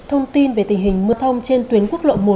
thông tin về tình hình mưa thông trên tuyến quốc lộ một